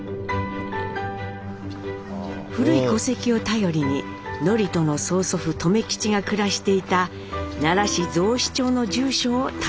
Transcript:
古い戸籍を頼りに智人の曽祖父留吉が暮らしていた奈良市雑司町の住所を訪ねました。